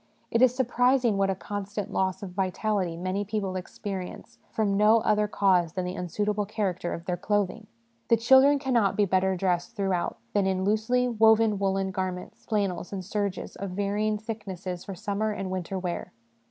It is surprising what a constant loss of vitality many people experience from no other cause than the unsuitable character of their clothing. The children cannot be better dressed throughout than in loosely woven woollen garments, flannels and serges, of varying thicknesses for summer and winter wear.